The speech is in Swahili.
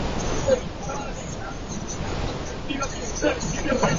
la ziada hakuna kutoka katika makala ya mziki ijumaa